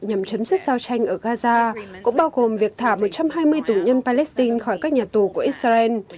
nhằm chấm dứt giao tranh ở gaza cũng bao gồm việc thả một trăm hai mươi tù nhân palestine khỏi các nhà tù của israel